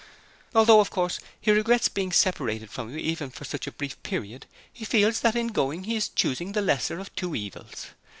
'Although, of course, he regrets being separated from you even for such a brief period he feels that in going he is choosing the lesser of two evils.